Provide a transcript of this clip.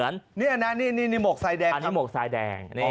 นี่มกสายแดง